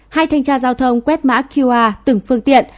hai thanh tra giao thông quét mã qr từng phương tiện